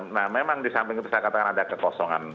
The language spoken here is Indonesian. nah memang disamping itu saya katakan ada kekosongan